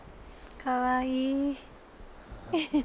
かわいい。